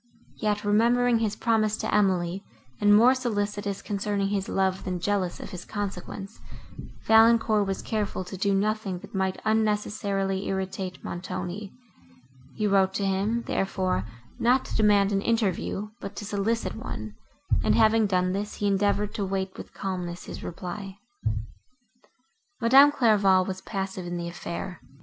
Yet, remembering his promise to Emily, and more solicitous, concerning his love, than jealous of his consequence, Valancourt was careful to do nothing that might unnecessarily irritate Montoni, he wrote to him, therefore, not to demand an interview, but to solicit one, and, having done this, he endeavoured to wait with calmness his reply. Madame Clairval was passive in the affair.